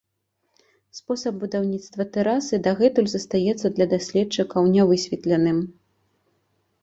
Спосаб будаўніцтва тэрасы дагэтуль застаецца для даследчыкаў нявысветленым.